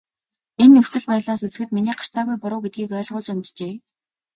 Энэ нөхцөл байдлаас үзэхэд миний гарцаагүй буруу гэдгийг ойлгуулж амжжээ.